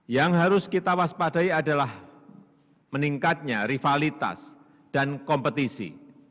yang harus kita waspadai adalah meningkatnya rivalitas dan kompetisi